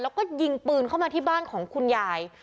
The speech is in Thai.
แล้วก็ยิงปืนเข้ามาที่บ้านของคุณยาย